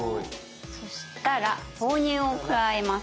そしたら豆乳を加えます。